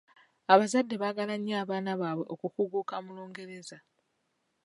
Abazadde baagala nnyo abaana baabwe okukuguka mu Lungereza.